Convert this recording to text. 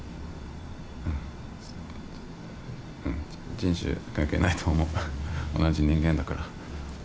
人種関係ないと思う同じ人間だから。